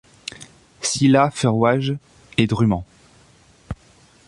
Si la feroys-je, et druement.